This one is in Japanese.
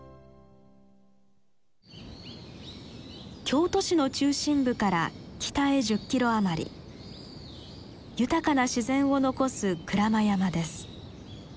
京都市の中心部から北へ１０キロ余り豊かな自然を残す鞍馬山です。